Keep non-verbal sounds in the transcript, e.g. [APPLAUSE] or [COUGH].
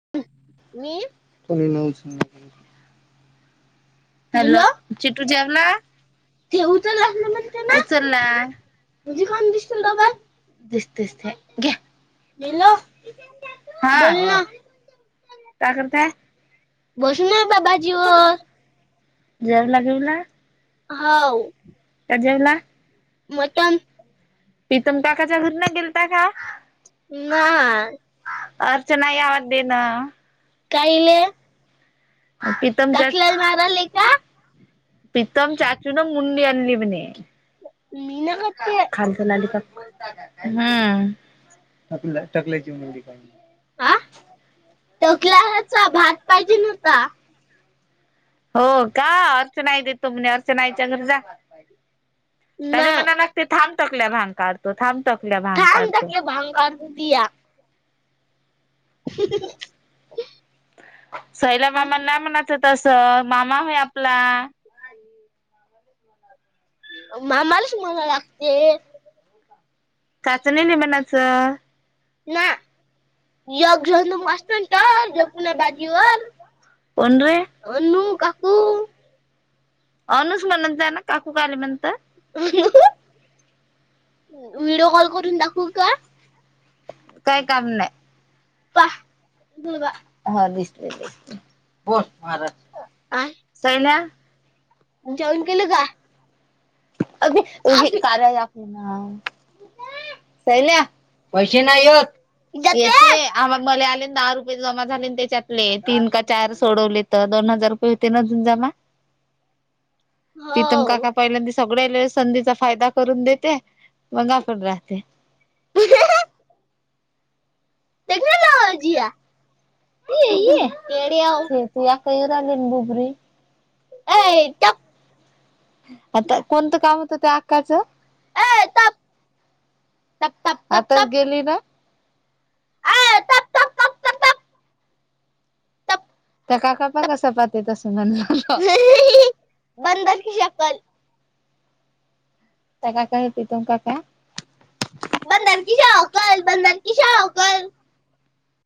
[UNINTELLIGIBLE] hello Chitu जेवला ते उचललं म्हण उचलला [UNINTELLIGIBLE] हॅलो हा क सते [UNINTELLIGIBLE] बसून ना बाबाजी ओ जेवला जेवला का हो का जेवला मटण प्रीतम काकाच्या घरला गेलता का नाय अर्चना आई आवाज देना काहिले प्रीतम चा प्रीतम चाचू न मुंडी आणली म्हणे खाल्ली हम टकल्याची मुंडी हा टोकल्यावरचा भात पाहिजे मग का हो का अर्चना आई देतो म्हणे अर्चना आईच्या घरी जा द तुम अर्चनायच्या घर जा तरी म्हणायला लागतंय थांब टाकल्या भांग काढतो थांब टाकल्या भांग काढतो थांब टाकल्या भांग काढतो तुझा ह ह ह ची ही सैल्या मामाला नाय म्हणायचं तसं मामा हाय आपला मामालाच म्हणायला लागते का तसं नाही म्हणायचं नाही म ना जग ज मग असतो ना तर जगपुणा बाजीगर वंदू काकू अनुश म्हणत जा ना काकू कायले म्हणतस व्हिडिओ कॉल करून दाखवू का काय काम नाही पहा हे पहा हो दिसतंय दिसतंय बोल मारल सैल्या जेवन केलं का अबे अबे कार्य ॲप ना सैल्या पैशे नाय येत येतय मला आले ना दहा रुपये जमा झाले ना त्याच्यात तीन काय चार सोडवले तर दोन हजार रुपये होते ना अजून जमा चेतन काका पहिल्यांदी सगळे आलेले संधीचा फायदा करून देते मग आपण राहते टेक्नॉलॉजीया त्याड्याव अय चूप आता कोणतं काम होतं त्या अक्काचं तप तप तप आताच गेली ना तप त्या काका पहा कसं पाहते तसं म्हण ही ही ही म्हणते ते त्या काका यती तोम काका बंदर की शकल बंदर की शकल